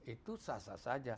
itu sah sah saja